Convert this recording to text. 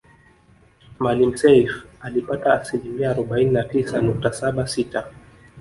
Maalim Seif alipata asilimia arobaini na tisa nukta saba sita